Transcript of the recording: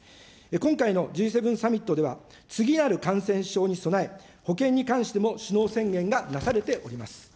今回のＧ７サミットでは次なる感染症に備え、保健に関しても首脳宣言がなされております。